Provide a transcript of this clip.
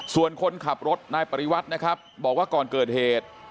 ส่วนคนขับรถนายปริวัตินะครับบอกว่าก่อนเกิดเหตุ